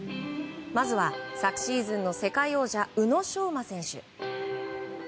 まずは昨シーズンの世界王者宇野昌磨選手。